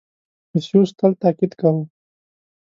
• کنفوسیوس تل تأکید کاوه.